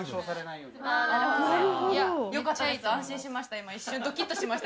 よかったです、安心しました。